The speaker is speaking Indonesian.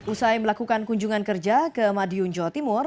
usai melakukan kunjungan kerja ke madiun jawa timur